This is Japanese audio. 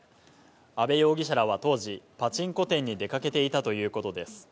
阿部容疑者らは当時、パチンコ店に出かけていたということです。